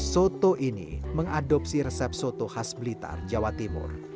soto ini mengadopsi resep soto khas blitar jawa timur